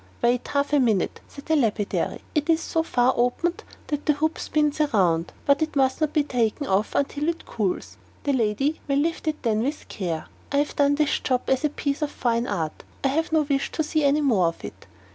"Wait half a minute," said the lapidary; "it is so far opened that the hoop spins round, but it must not be taken off until it cools. The lady may lift it then with care. I have done this job as a piece of fine art; I have no wish to see any more of it."